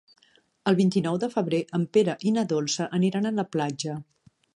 El vint-i-nou de febrer en Pere i na Dolça aniran a la platja.